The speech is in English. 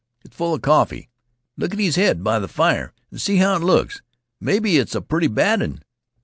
It's full 'a coffee. Look at his head by th' fire an' see how it looks. Maybe it's a pretty bad un.